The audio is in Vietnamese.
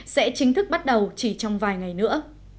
sẽ chính thức bắt đầu chỉ trong vài ngày nữa